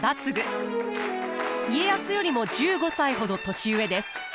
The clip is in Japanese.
家康よりも１５歳ほど年上です。